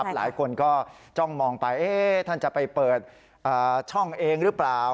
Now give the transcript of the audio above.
หลายคนก็จ้องมองไปท่านจะไปเปิดช่องเองหรือเปล่า